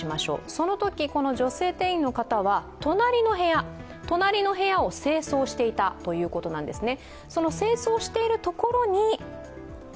そのとき、この女性店員の方は隣の部屋を清掃していたということなんですね。